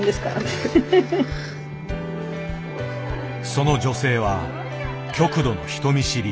その女性は極度の人見知り。